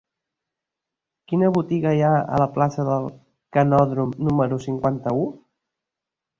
Quina botiga hi ha a la plaça del Canòdrom número cinquanta-u?